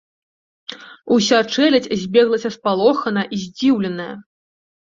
Уся чэлядзь збеглася спалоханая і здзіўленая.